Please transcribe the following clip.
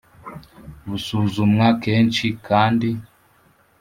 busuzumwa kenshi kandi